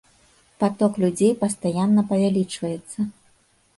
Паток людзей пастаянна павялічваецца.